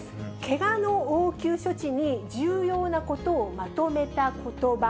けがの応急処置に重要なことをまとめたことば。